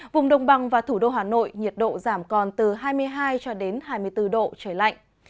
vùng đông bằng và thủ đô hà nội nhiệt độ giảm còn từ hai mươi hai hai mươi bốn độ trời lạnh